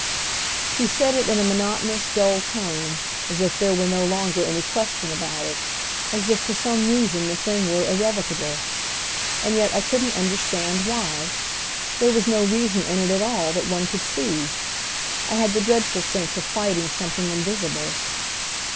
He said it in a monotonous, dull tone, as if there were no longer any question about it, as if for some reason the thing were irrevocable! And yet I couldn't understand why. There was no reason in it at all that one could see. I had the dreadful sense of fighting something invisible.